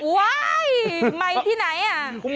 ว้ายไมค์ที่ไหน